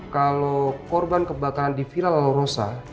kalau korban kebakaran di villa la rosa